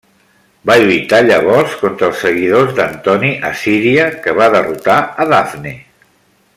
Va lluitar llavors contra els seguidors d'Antoni a Síria que va derrotar a Dafne.